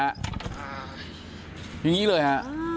อย่างนี้เลยฮะ